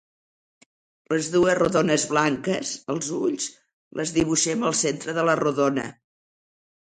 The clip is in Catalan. Les dues rodones blanques, els ulls, les dibuixem al centre de la rodona!